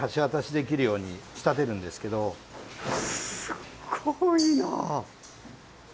すっごいな。